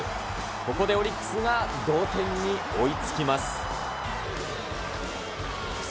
ここでオリックスが同点に追いつきます。